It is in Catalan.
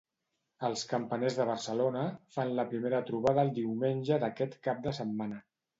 Els campaners de Barcelona fan la primera trobada el diumenge d'aquest cap de setmana.